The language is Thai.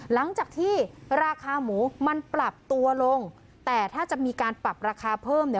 หลังจากที่ราคาหมูมันปรับตัวลงแต่ถ้าจะมีการปรับราคาเพิ่มเนี่ย